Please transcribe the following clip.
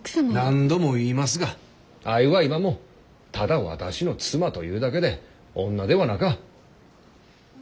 何度も言いますがあれは今もただ私の妻というだけで女ではなか。